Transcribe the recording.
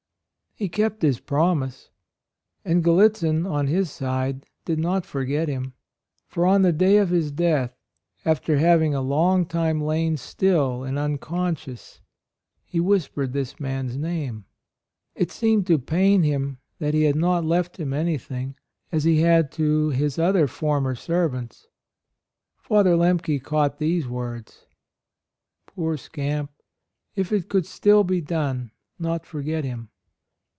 He kept his promise. And Gallitzin, on his side, did not forget him; for on the day of his death, after having a long time lain still and un conscious, he whispered this man's name. It seemed to pain AND MOTHER 123 him that he had not left him anything, as he had to his other former servants. Father Lemke caught these words: "Poor scamp — if it could still be done — not forget him."